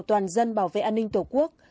toàn dân bảo vệ an ninh tổ quốc